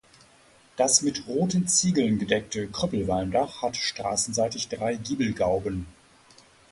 Das mit roten Ziegeln gedeckte Krüppelwalmdach hat straßenseitig drei Giebelgauben.